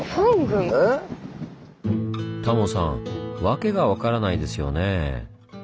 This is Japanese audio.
タモさん訳が分からないですよねぇ。